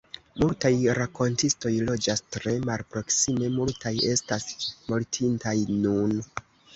Multaj rakontistoj loĝas tre malproksime, multaj estas mortintaj nun.